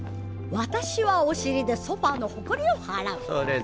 私はお尻でソファーのほこりを払う。